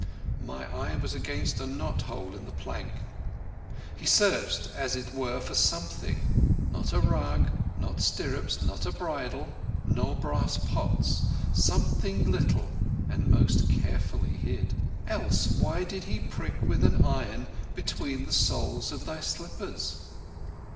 My eye was against a knot hole in the plank. He searched as it were for something—not a rug, not stirrups, nor a bridle, nor brass pots—something little and most carefully hid. Else why did he prick with an iron between the soles of thy slippers?"